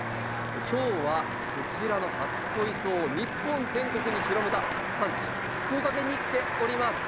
今日はこちらの初恋草を日本全国に広めた産地福岡県に来ております。